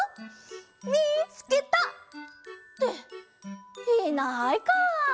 みつけた！っていないかあ。